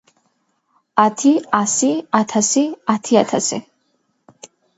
ათი ასი ათასი ათიათასი